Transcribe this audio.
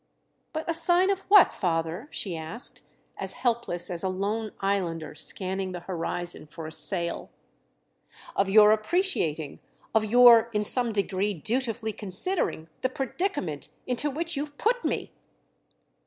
"But a sign of what, father?" she asked—as helpless as a lone islander scanning the horizon for a sail. "Of your appreciating, of your in some degree dutifully considering, the predicament into which you've put me!"